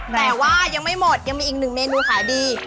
แต่ว่ายังไม่หมดยังมีอีกหนึ่งเมนูขายดี